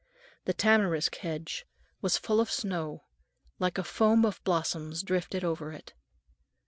The tamarisk hedge was full of snow, like a foam of blossoms drifted over it.